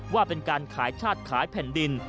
ว่าเป็นการขายชาติขายแผ่นดิน